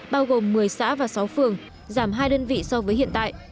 bao gồm một mươi xã và sáu phường giảm hai đơn vị so với hiện tại